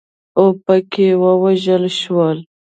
اوپکي ووژل شول.